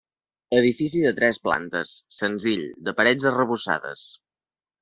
Edifici de tres plantes, senzill, de parets arrebossades.